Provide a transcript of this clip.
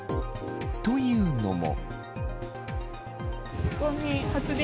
というのも。